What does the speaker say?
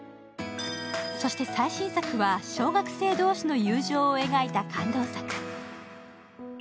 そして最新作は小学生同士の友情を描いた感動作。